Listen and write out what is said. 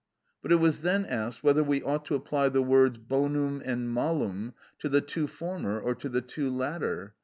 But it was then asked whether we ought to apply the words bonum and malum to the two former or to the two latter?